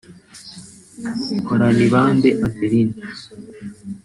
Horanibambe Adeline